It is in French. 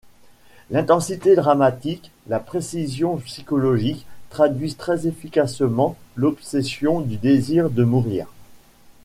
L'intensité dramatique, la précision psychologique traduisent très efficacement l'obsession du désir de mourir.